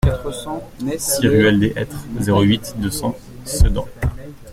six ruelle des Hêtres, zéro huit, deux cents Sedan